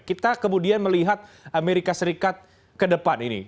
kita kemudian melihat amerika serikat ke depan ini